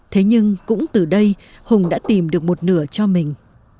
thế nhưng cũng từ đây hùng đã tìm được một nửa cho mình